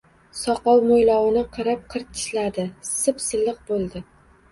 Soqol-mo‘ylovini qirib-qirtishladi, sip-silliq bo‘ldi